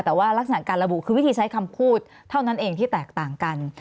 แต่ว่ารักษณะการระบุคือวิธีใช้คำพูดเท่านั้นเองที่แตกต่างกัน